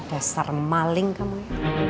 dasar maling kamu ya